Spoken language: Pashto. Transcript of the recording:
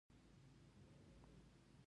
د اسنادو او راپورونو تفکیک او تنظیم وکړئ.